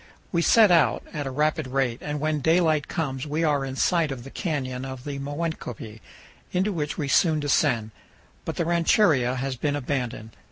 We set out at a rapid rate, and when daylight comes we are in sight of the canyon of the Moenkopi, into which we soon descend; but the ranchería has been abandoned.